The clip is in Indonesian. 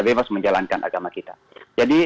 bebas menjalankan agama kita jadi